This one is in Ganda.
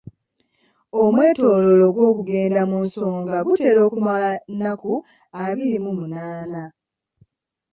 Omwetooloolo gw'okugenda mu nsonga gutera kumala nnaku abiri mu munaana.